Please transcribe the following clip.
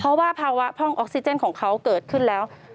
เพราะว่าภาวะพร่องออกซิเจนของเขาเกิดขึ้นแล้ว